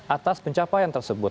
atas pencapaian tersebut